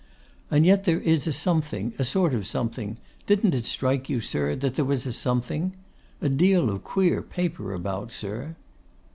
And yet there is a something, a sort of a something; didn't it strike you, sir, there was a something? A deal of queer paper about, sir!